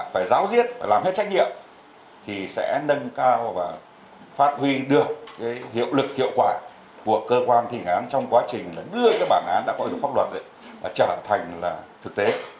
phải giáo diết phải làm hết trách nhiệm thì sẽ nâng cao và phát huy được hiệu lực hiệu quả của cơ quan thi hành án trong quá trình đưa bản án đã có hiệu pháp luật trở thành thực tế